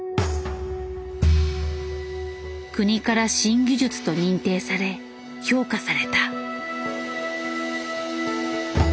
国から新技術と認定され評価された。